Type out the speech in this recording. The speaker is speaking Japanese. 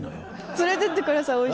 連れてってください